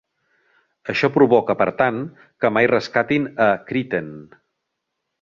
Això provoca per tant que mai rescatin a Kryten.